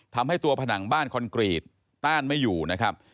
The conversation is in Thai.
ทำให้ตัวผนังบ้านคอนกรีตต้านไม่อยู่นะครับ